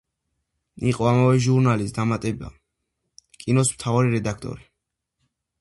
იყო ამავე ჟურნალის დამატება „კინოს“ მთავარი რედაქტორი.